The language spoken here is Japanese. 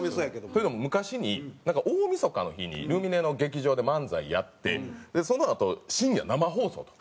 というのも昔になんか大みそかの日にルミネの劇場で漫才やってそのあと深夜生放送と。